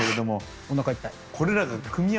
いやおなかいっぱい。